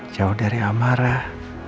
jauh dari amarah